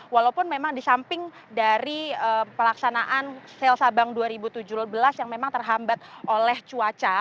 walaupun memang di samping dari pelaksanaan sel sabang dua ribu tujuh belas yang memang terhambat oleh cuaca